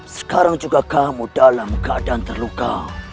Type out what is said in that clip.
sekarang juga kamu dalam keadaan terluka